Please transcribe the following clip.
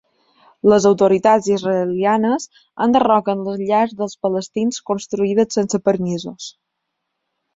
Les autoritats israelianes enderroquen les llars dels palestins construïdes sense permisos.